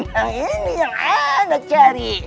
memang ini yang anak cari